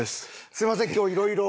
すみません今日いろいろ。